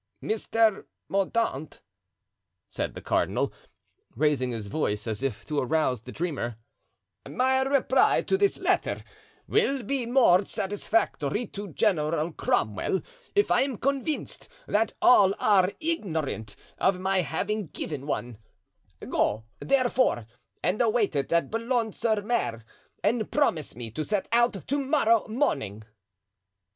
"Mr. Mordaunt," said the cardinal, raising his voice, as if to arouse the dreamer, "my reply to this letter will be more satisfactory to General Cromwell if I am convinced that all are ignorant of my having given one; go, therefore, and await it at Boulogne sur Mer, and promise me to set out to morrow morning."